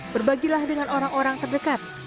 berbagilah dengan orang orang terdekat